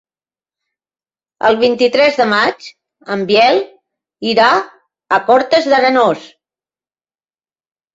El vint-i-tres de maig en Biel irà a Cortes d'Arenós.